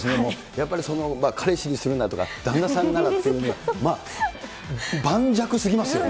やっぱり彼氏にするならとか、旦那さんならなんて、まあ、盤石すぎますよね。